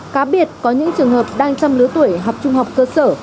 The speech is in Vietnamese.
cá biệt có những trường hợp đang trong lứa tuổi học trung học cơ sở